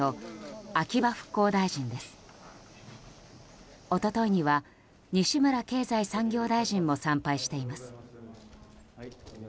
一昨日には西村経済産業大臣も参拝しています。